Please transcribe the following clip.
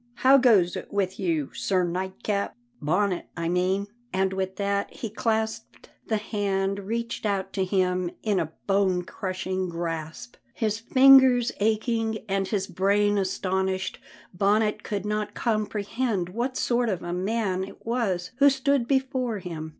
How goes it with you, Sir Nightcap Bonnet, I mean?" And with that he clasped the hand reached out to him in a bone crushing grasp. His fingers aching and his brain astonished, Bonnet could not comprehend what sort of a man it was who stood before him.